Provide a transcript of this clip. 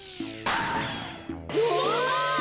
うわ！